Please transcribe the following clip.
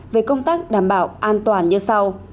về công tác đảm bảo an toàn như sau